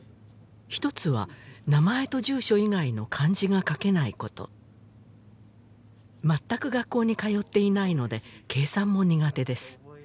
１つは名前と住所以外の漢字が書けないことまったく学校に通っていないので計算も苦手です